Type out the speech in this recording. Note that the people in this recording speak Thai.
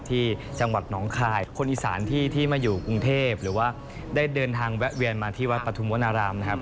ที่จังหวัดหนองคายคนอีสานที่มาอยู่กรุงเทพหรือว่าได้เดินทางแวะเวียนมาที่วัดปฐุมวนารามนะครับ